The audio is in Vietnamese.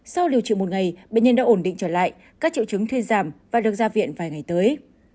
sau điều trị một ngày bệnh nhân đã ổn định trở lại các triệu chứng thuyên giảm và được ra viện vài ngày tới